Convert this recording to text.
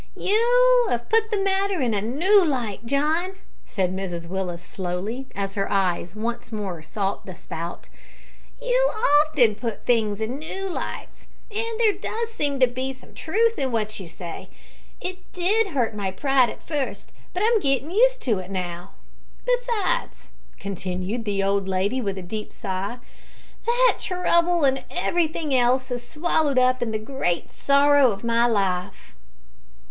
"You have put the matter in a new light John," said Mrs Willis slowly, as her eyes once more sought the spout. "You often put things in new lights, and there does seem some truth in what you say. It did hurt my pride at first, but I'm gettin' used to it now. Besides," continued the old lady, with a deep sigh, "that trouble and everything else is swallowed up in the great sorrow of my life."